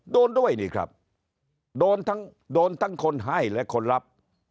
โดนด้วยนี่ครับโดนทั้งโดนทั้งคนให้และคนรับ